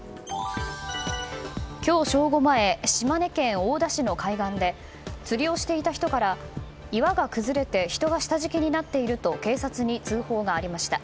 今日正午前島根県大田市の海岸で釣りをしていた人から岩が崩れて人が下敷きになっていると警察に通報がありました。